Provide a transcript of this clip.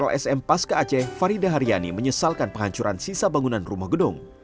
lsm pas kace faridah haryani menyesalkan penghancuran sisa bangunan rumah gedung